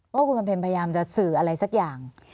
ว่าคุณบำเพ็ญพยายามจะสื่ออะไรสักอย่าง